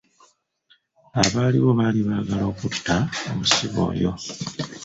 Abaaliwo baali baagala okutta omusibe oyo.